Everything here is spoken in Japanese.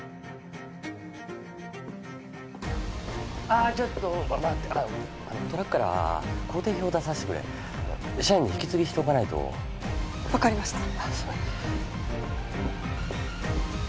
ああちょっと待ってトラックから工程表を出させてくれ社員に引き継ぎしておかないと分かりました